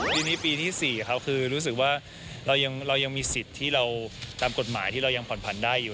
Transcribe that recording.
ปีนี้ปีที่๔ครับคือรู้สึกว่าเรายังมีสิทธิ์ที่เราตามกฎหมายที่เรายังผ่อนผันได้อยู่